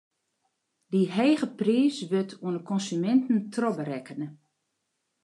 Dy hege priis wurdt oan de konsuminten trochberekkene.